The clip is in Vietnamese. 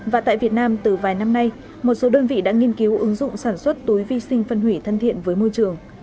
và tại việt nam từ vài năm nay một số đơn vị đã nghiên cứu ứng dụng sản xuất túi vi sinh phân hủy thân thiện với môi trường